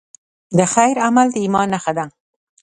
د خیر عمل د ایمان نښه ده.